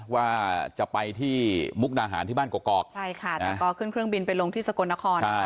ว่าจะไปที่มุกดาหารที่บ้านกอกใช่ค่ะแต่ก็ขึ้นเครื่องบินไปลงที่สกลนคร